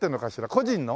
個人の。